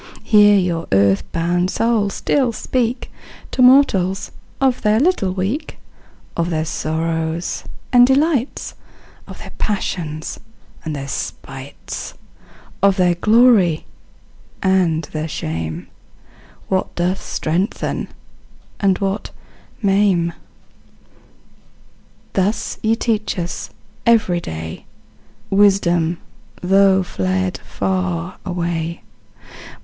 Here, your earth born souls still speak To mortals, of their little week; Of their sorrows and delights; Of their passions and their spites; Of their glory and their shame; What doth strengthen and what maim. Thus ye teach us, every day, Wisdom, though fled far away.